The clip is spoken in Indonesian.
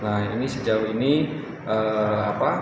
nah ini sejauh ini apa